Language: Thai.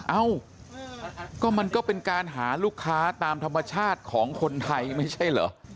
เอ้าก็มันก็เป็นการหาลูกค้าตามธรรมชาติของคนไทยไม่ใช่เหรอ